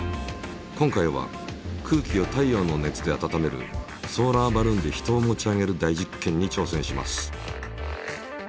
今回は空気を太陽の熱で温めるソーラーバルーンで人を持ち上げる大実験に挑戦します。